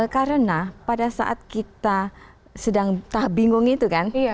karena pada saat kita sedang tahap bingung itu kan